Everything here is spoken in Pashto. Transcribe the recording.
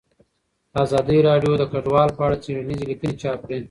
ازادي راډیو د کډوال په اړه څېړنیزې لیکنې چاپ کړي.